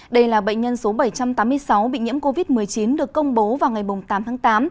đây là bệnh nhân số bảy trăm tám mươi sáu bị nhiễm covid một mươi chín được công bố vào ngày tám tháng tám